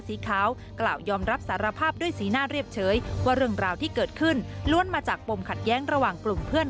สีขาวกล่าวยอมรับสารภาพด้วยสีหน้าเรียบเฉยว่าเรื่องราวที่เกิดขึ้นล้วนมาจากปมขัดแย้งระหว่างกลุ่มเพื่อน